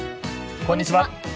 こんにちは。